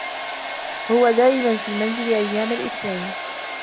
هو دائما في المنزل أيام الإثنين.